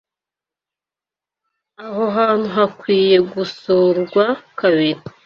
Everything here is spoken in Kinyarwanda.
Aho hantu hakwiye gusurwa kabiri.